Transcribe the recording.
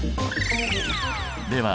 では